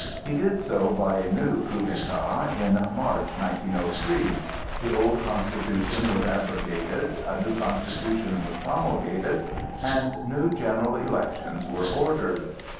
He did so by a new coup d'état in March, 1903; the old Constitution was abrogated, a new Constitution was promulgated, and new general elections were ordered.